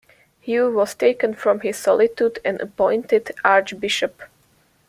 Hugh was taken from his solitude and appointed archbishop.